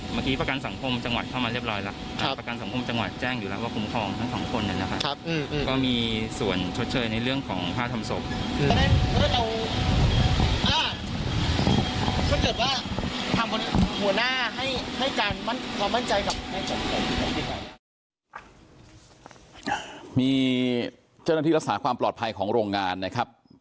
มีเจ้าหน้าที่รักษาความปลอดภัยของโรงงานนะครับ